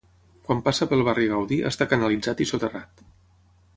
Quan passa pel Barri Gaudí està canalitzat i soterrat.